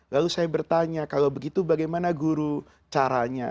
lalu saya bertanya kalau begitu bagaimana guru caranya